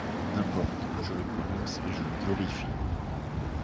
N'importe, je le prononce, et je le glorifie.